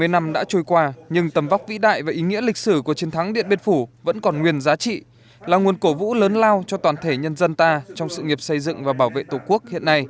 bảy mươi năm đã trôi qua nhưng tầm vóc vĩ đại và ý nghĩa lịch sử của chiến thắng điện biên phủ vẫn còn nguyên giá trị là nguồn cổ vũ lớn lao cho toàn thể nhân dân ta trong sự nghiệp xây dựng và bảo vệ tổ quốc